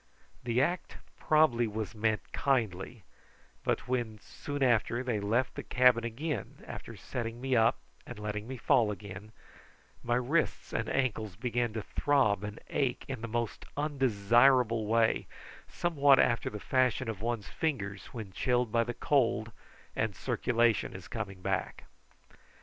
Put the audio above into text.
The act probably was meant kindly, but when, soon after, they left the cabin, after setting me up and letting me fall again, my wrists and ankles began to throb and ache in the most unbearable way, somewhat after the fashion of one's fingers when chilled by the cold and the circulation is coming back.